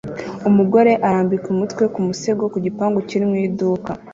Umugore arambika umutwe ku musego ku gipangu kiri mu iduka